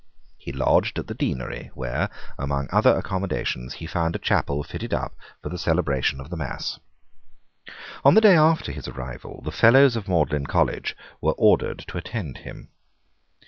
He lodged at the deanery, where, among other accommodations, he found a chapel fitted up for the celebration of the Mass. On the day after his arrival, the Fellows of Magdalene College were ordered to attend him.